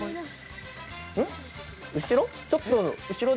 後ろ？